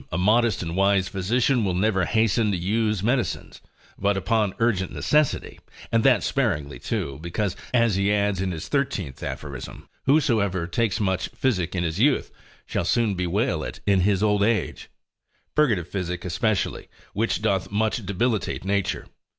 A modest and wise physician will never hasten to use medicines, but upon urgent necessity, and that sparingly too: because (as he adds in his 13. Aphoris.) Whosoever takes much physic in his youth, shall soon bewail it in his old age: purgative physic especially, which doth much debilitate nature.